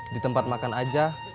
di tempat makan aja